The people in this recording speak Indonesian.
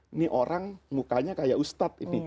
ini orang mukanya kayak ustadz ini